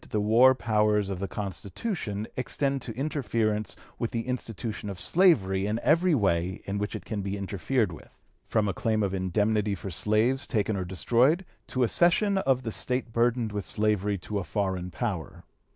262) the war powers of the Constitution extend to interference with the institution of slavery in every way in which it can be interfered with, from a claim of indemnity for slaves taken or destroyed, to a cession of the State burdened with slavery to a foreign power."